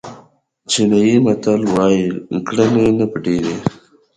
چینایي متل وایي کړنې نه پټېږي.